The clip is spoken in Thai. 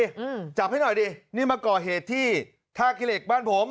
อืมจับให้หน่อยดินี่มาก่อเหตุที่ท่าขี้เหล็กบ้านผม